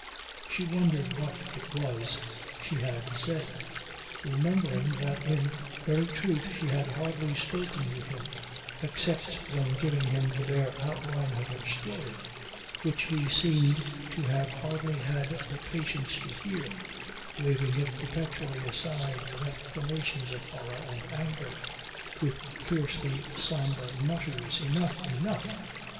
She wondered what it was she had said; remembering that in very truth she had hardly spoken to him except when giving him the bare outline of her story which he seemed to have hardly had the patience to hear, waving it perpetually aside with exclamations of horror and anger, with fiercely sombre mutters "Enough! Enough!"